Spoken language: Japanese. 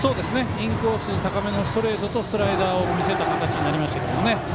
インコース高めのストレートとスライダーを見せた形になりましたね。